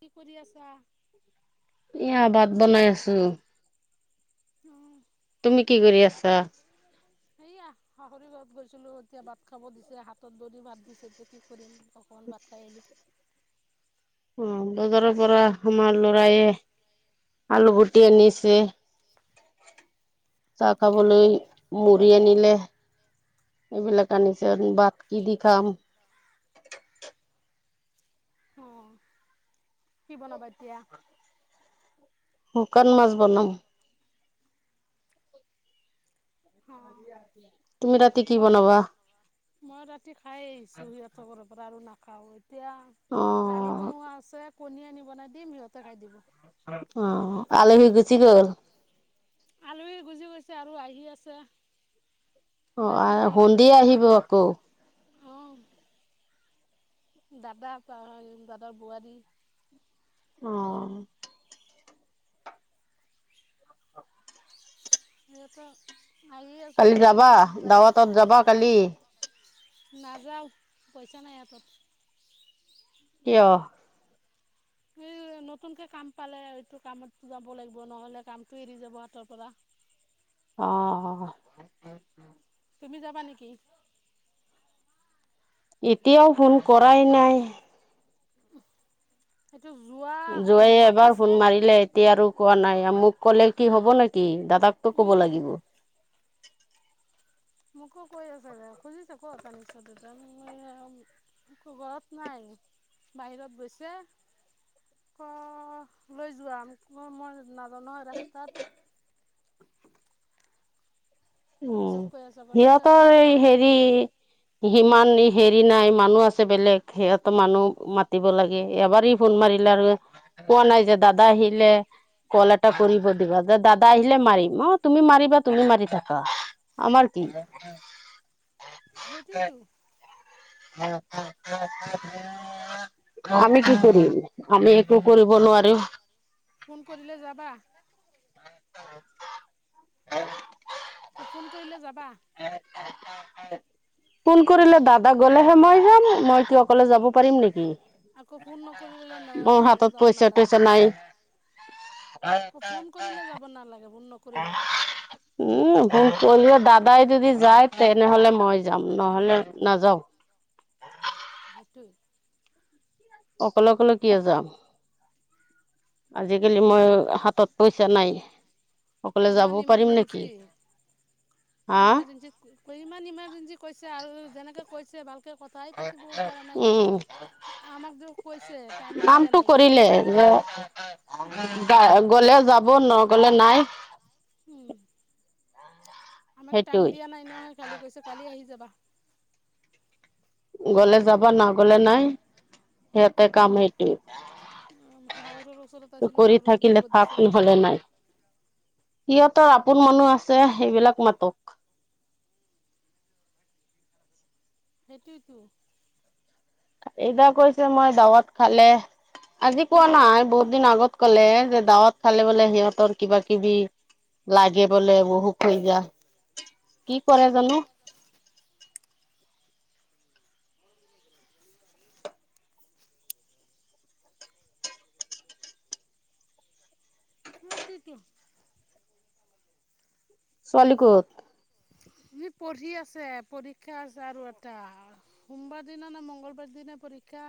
কি কৰি আছা এয়া ভাত বনাই আছো অ উম, তুমি কি কৰি আছা। সেয়া শাহৰি গাঁৱত গৈছিলো এতিয়া ভাত খাব দিছে হাতত ধৰি মাত দিছে এতিয়া কি কৰিম অকণমান বাত খাই আহিলোঁ। অ বজাৰ পৰা আমাৰ লৰায়ে। আলু গুটি আনিছে। চাহ খাবলৈ মোৰি আনিলে। এইবিলাক আনিছে বাট কি দি খাম অ', কি বনাবা এতিয়া। শুকান মাছ বনাম। অ দিয়া দিয়া মই মই ৰাতি খাই আহিছো সিহঁতৰ ঘৰত। ত আৰু নাখাও অ এতিয়া দালি বনোৱা আছে। কণী আনি বনাই দিম সিহঁতে খাই দিব। অ আলহি গুছি গ'ল। আলহী গুছি গৈছে আৰু আহি আছে। অ ৰাতিও আহ আহিব সুন্দি বুলি কৈ আহিব আছে। আকৌ। অ', দাদা দাদাৰ বোৱাৰী। অ। দেউতা আহি আছে কালি এজন যাবা কি কয় দাৱাতত যাবা কালি নাযাওঁ। পইচা নাই হাতত। কিয়! এই [inaudible] নতুনকে কাম পালে এইটো কামত যাব লাগিব নহলে কামটো এৰি যাব হাতৰ পৰা। অ অ। তুমি যাবা নেকি! এতিয়াও ফোন কৰাই নাই। এইটো যোৱা যোৱ এবাৰ মাতিছে ফোন মাৰিলে এতিয়া আৰু। কোৱা নাই আৰু মোক ক'লে কি হ'ব নেকি দাদাকতো কব উম লাগিব। [unintelligible] মোকো কৈ আছে দে খুজিছে কৈছিলে কত আনিছে মই আও ঘৰত নাই। বাহিৰত গৈছে। অ লৈ যোৱা কো মই নাজ নহয় ৰাস্তাত [inaudible] উ পিছত কৈ আছে হ'ব ঠিক আছে সিহঁতৰ এই তেনে হেৰি সিমান হেৰি নাই মানুহ আছে বেলেগ সিহঁতৰ মানুহ মাতিব লাগে এবাৰেই ফোন মাৰি আৰু কোৱা নাই যে দাদা আহিলে কল এটা কৰিব দিবা যে দাদা আহিলে মাৰিম অ তুমি মাৰিবা তুমি মাৰি থাকা আমাৰ কি সেইটোৱেতো আ কি কৰিম আমি একো কৰি [inaudible] ফোন কৰিলে যাবা। হ ফোন কৰিলে যাব। আ ফোন কৰিলে দাদা গলেহে মই যাম মই কি অকলে যাব পাৰিম নেকি,। আকৌ ফোন নকৰিলেলে ন মোৰ হাতত যাব পইচা নালাগে। তইচা নাই ফোন কৰিলে যাব নালাগে ন- উম কলও দাদাই যদি যায় তেনেহলে মই যাম নহলে নাযাও। টো অকলে অকলে কিয় যাম। আজিকালি মই হাতত পইচা নাই। অকলে যাব ইমান পাৰিম নেকি ইমাৰ্জেঞ্চি হা ইমাৰজেঞ্চি ক ইমান ইমাৰ্জেঞ্চি কৈছে। আৰু যেনেকে কৈছে ভাল- কথাই পাতিব পৰা নাই উম আমাক যে কৈছে টাইমতটো দিয়া কামটো নাই কৰিলে কেতিয়া কি- যে কৰিম গলে যাব নগলে নাই- উম আমাক টাইম সেইটোই দিয়া নাই নহয় কালি কৈছো কালি আহি যাবা। গলে যাবা নগলে নাই সিহঁতে কাম সেইটোৱে- অ হাউৰৰ ওচৰত আছিলো কৰি হাওৰক থাকিলে দিব থাক দিছে। নহলে নাই সিহঁতৰ আপোন মানুহ আছে সেইবিলাক মাতক- [inaudible] সেইটোটো এইদ কৈছে মই দাৱত খালে। আজি কোৱা নাই বহুত দিন আগত কলে যে দাৱত খালে বোলে সিহঁতৰ কিবা কিবি- লাগে বোলে বহুক হৈ যা কি কৰে জানো। [inaudible] শ কি কি? ছোৱালী কত? দি পঢ়ি আছে পৰীক্ষা আছে আৰু এটা সোমবাৰ দিনা নে মঙংগলবাৰ দিনা পৰীক্ষা।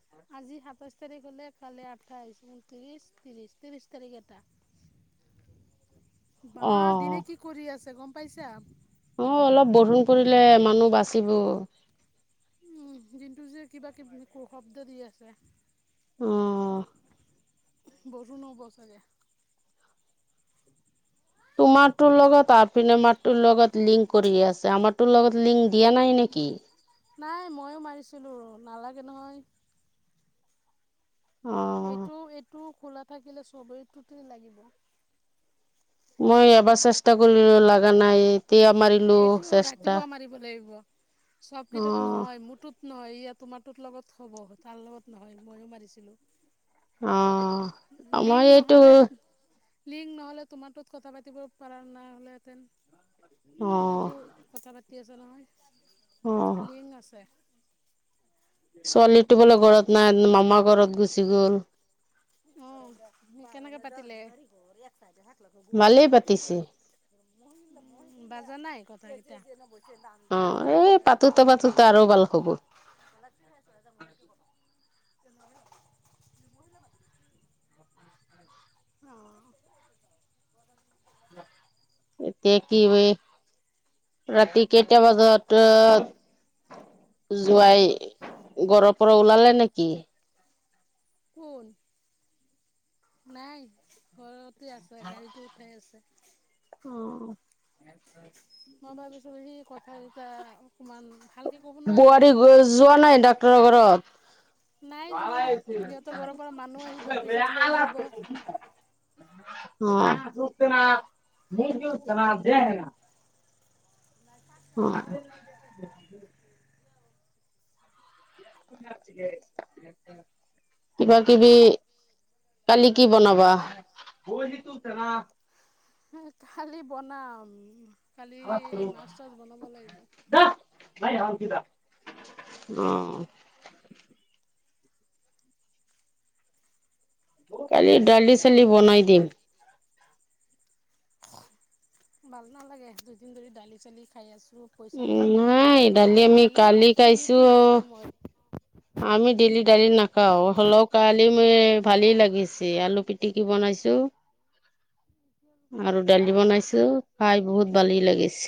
হয়। আজি সাতাইছ তাৰিখ হলে কালি আঠাইশ ঊনত্ৰিশ ত্ৰিশ ত্ৰিশ তাৰিখ এটা। [inaudible] বা দিনে অ', কি কৰি আছে গম পাইছা। অলপ বৰষুণ লই অ মানুহ বাচিব- দিনটো যে কিবা কিবি শব্দ দি আছে। অ বৰষুণ অ বচাগে তোমাৰ লগতনোৰ লগত লিং কৰি আছে আমাৰ ত লগত লিংক দিয়া নাই নেকি। কি- নাই ময়ো মাৰিছিলোঁ নালাগে নহয়। এইটো অ'। এইটো খোলা থাকিলে চষ্টবেৰীত লাগিব। মই এবাৰ চেষ্টা কৰিলো লাগা নাই। এতিয়া মাৰিলো এইটো চেষ্টা ৰাতিপুৱা মাৰিব লাগিব চব কেইটাত অ', নহয় মোৰটোত নহয়। এতিয়া তোমাৰ তৰ লগত হ'ব তাৰ লগত নহয় ময়ো মাৰিছিলো। অ আমাৰ এইটো। নহ'লে লিংক নহ'লে তোমাৰোত কথা পাতিব পৰা নাই হ'লেহেতেন। অ', সেইটোতো কথা পাতি আছে অ', নহয় লিং আছে। ছোৱালীটো বোলে ঘৰত নাই মামা ঘৰত গুচি গ'ল। অ কেনেকে পাতিলে। মালিয়ে পাতিছে। বাজা নাই কথাকেইটা। চ আন য [unintelligible] অ', এই পাতোতে পাতোতে আৰু ভাল হ'ব তলচি নেছ মুদকি প [unintelligible] এতিয়া কি বই ৰাতি কেইটা বজাত জোৱাই ঘৰৰ পৰা ওলালে নেকি? কোন, নাই ঘৰতে আছে গাড়ীটো উঠাই আছে। অ। মই ভাবিছো সি কথা এটা বোৱাৰী গ যোৱা নাই ডাক্তৰৰ ঘৰত? নাই যোৱা সিহঁতৰ ঘৰৰ পৰা ভ মানুহ আহিব পিছত লৈ যাব মল [unintelligible] উম। অ। কিবা কিবি কালি কি বনাবা? কালি বনাম, কালি মাছ চাছ বনাব লাগিব। নাই আৰু কিবা? উম। কালি দালি চালি বনাই দিম। ভাল নালাগে, দুদিন ধৰি দালি চালি খাই আছো। পইচা নাই, দোকানৰ পৰা আমি দালি কালি কণীটো খাইছোঁ নাখাওঁ মই। আমি ডেলি দালি নাখাও, হলেও কালি মোৰ ভালেই লাগিছে আলু পিটিকি বনাইছো। চু। আৰু দালি বনাইছো, খাই বহুত ভালেই লাগিছে।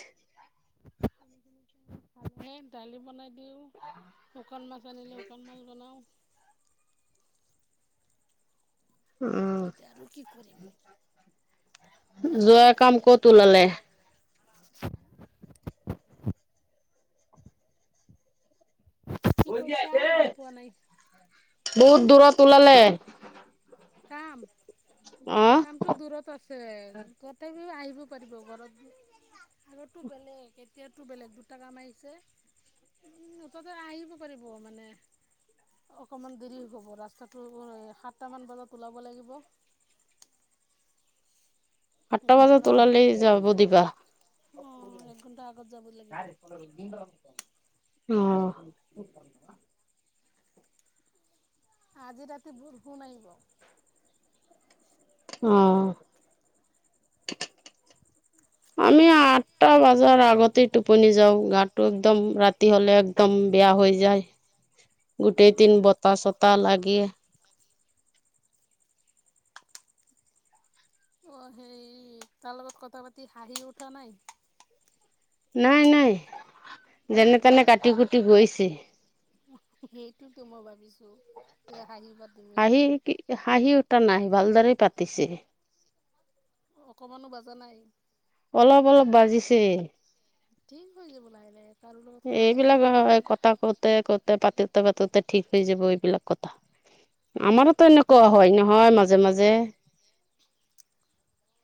আ দালি বনাই দিওঁ, শুকান মাছ আনিলে শুকান মাছ বনাও। [unintelligible] উম এতিয়া আৰু কি কৰিম। জোৱাই কাম ক'ত ওলালে? [unintelligible] কি কৈছা গম পোৱা নাই বহুত দূৰত ওলালে। কাম, অ কামটো দূৰত আছে তথাপি আহি বু পাৰিব ঘৰত, মোৰটো বেলেগ এতিয়াতো বেলেগ দুটা কাম আহিছে। উম মুঠতে আহিব পাৰিব মানে অকমান দেৰি হ'ব, ৰাস্তাটো সাতটা মান বজাত ওলাব লাগিব। আঠটা ঘৰৰ বজাত পৰা ওলালে যাব দিবা। অঁ এক ঘণ্টা আগত যাব লাগিব ন [unintelligible] অহ। আজি ৰাতি বোৰষূণ আহিব। অহ। আমি আঠটা বজাৰ আগতেই টোপনি যাও, গাটো একদম ৰাতি হলে একদম বেয়া হৈ যায়, গোটেই দিন বতাহ চতাহ লাগে। অ সেই তাৰ লগত কথা পাতি হাঁহি উঠা নাই? নাই নাই, যেনে তেনে কাটি কুটি গৈছে। সেইটোতো মই ভাবিছো। হাঁহি কি হাঁহি উটা নাই ভালদৰে পাতিছে। অকমানো বাজা নাই? অলপ অলপ বাজিছে। ঠিক হৈ যাব লাহে লাহে, কাৰো লগত কথা পতা এইবিলাক নাই নহয়। থা পাতোতে ঠিক হৈ যাব এইবিলাক কথা। আমাৰতো সেইটোৱেতো এনেকুৱা হয় নহয় মাজে মাজে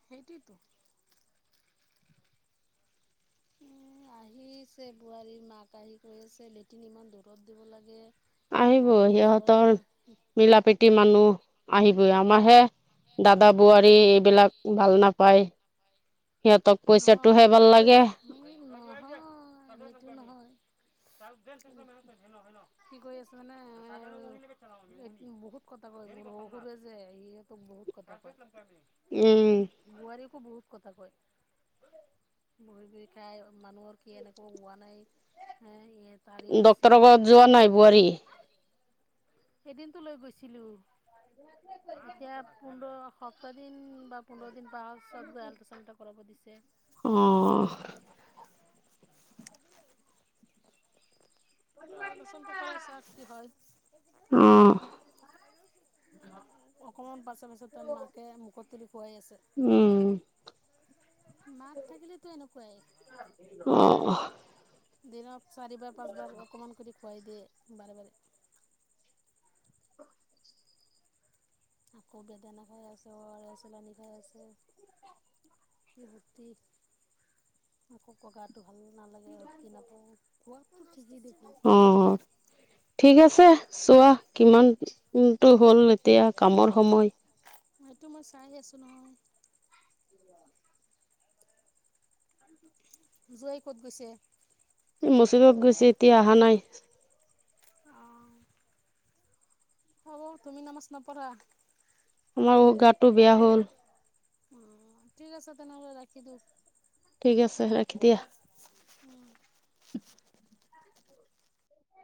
সেইটোৱেতো উ আহিছে বোৱাৰীৰ মাক আহি কৈ আছে লেটিন ইমান দূৰত দিব লাগে। আহিবই অকণমান সিহঁতৰ ওচৰৰ মিলা-পীতি মানুহ আহিবই আমাৰ হে দাদা বোৱাৰী এইবিলাক ভাল নাপায়। সিহঁতক নহয় পইচাটোহে ভাল কি কৈ লাগে আছো নহয় সেটো নহয়। কি কৰি আছোনে এইটো বহুত কথা বহুত আছে এয়ে ক বহুত কথা কয় উম কো বহুত কথা কয়। বহি বহি খাই মানুহৰ কি এনেকুৱা হোৱা নাই হে তাৰে হৈছে ডক্তৰৰ ঘৰত যোৱা এইবিলাক কয় নাই বোৱাৰী। এদিনতো লৈ গৈছিলো। এতিয়া পোন্ধৰ সপ্তাহ দিন বা পোন্ধৰ। দিন পাৰছত গৈ আল্ট্ৰা চন এটা কৰাব দিছে অ ত আলট্ৰাচনটো কৰাইছা কি হয় অ অকমান পাছত পাছত তা মাকে মুখত তুলি খুৱাই আছে উম মাক থাকিলেতো এনেকুৱাই। অ দিনত চাৰিবাৰ পাঁচবাৰ অকমান কৰি খুৱাই দিয়ে বাৰে বাৰে। আকৌ বেদানা খাই আছে অআৰএচ আনী খাই আছে [unintelligible] মোক কগাটো ঠিকেই দেখোন অ ঠিক আছে। চোৱা কিমানটো হ'ল এতিয়া কামৰ সময়। এইটো মই চাই আছো নহয়। জোঁৱাই ক'ত গৈছে মচিদত গৈছে এতিয়া অহা নাই হ'ব তুমি নামাচ নপঢ়া আমাৰ গাতটো বেয়া হ'ল। অ ঠিক আছে তেনেহলে ৰাখি দিও। ঠিক আছে ৰাখি দিয়া। উম